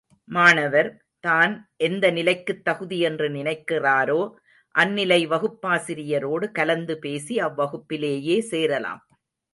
மாணவர், தான் எந்த நிலைக்குத் தகுதி என்று நினைக்கிறாரோ, அந்நிலை வகுப்பாசிரியரோடு கலந்து பேசி, அவ்வகுப்பிலேயே சேரலாம்.